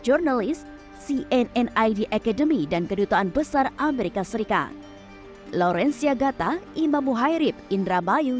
journalist cnn id academy dan kedutaan besar amerika serikat lorenzi agata imamuhairib indrabayu